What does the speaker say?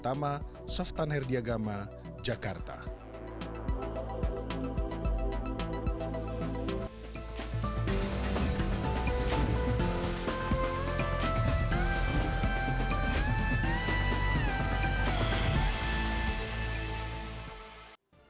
jangan sampai karena lalai anda dan keluarga anda bisa mengalir